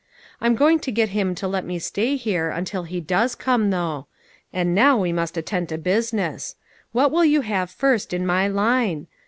I'm going to get him to let me stay here until he does come, though. And now we must attend to busi ness. What will you have first in my line?